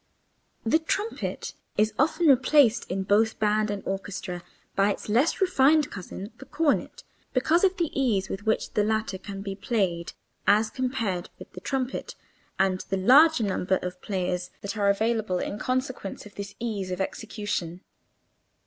The trumpet is often replaced in both band and orchestra by its less refined cousin the cornet because of the ease with which the latter can be played as compared with the trumpet, and the larger number of players that are available in consequence of this ease of execution.